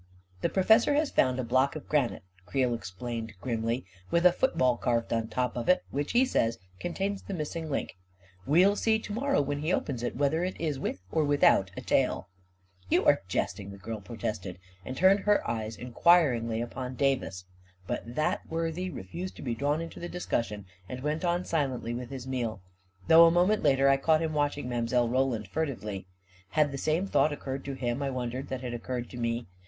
" The professor has found a block of granite," Creel explained grimly, " with a football carved on top of it, which he says contains the missing link. We'll see to morrow, when he opens it, whether it is with or without a tail !"" You are jesting I " the girl protested, and turned her eyes inquiringly upon Davis ; but that worthy re fused to be drawn into the discussion, and went on silently with his meal; though a moment later I caught him watching Mile. Roland furtively. Had the same thought occurred to him, I wondered, that had occurred to me